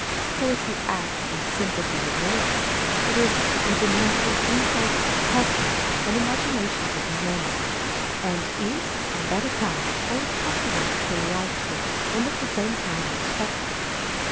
Poetry acts by sympathy with nature, that is, with the natural impulses, customs, and imaginations of men, and is, on that account, always popular, delightful, and at the same time instructive.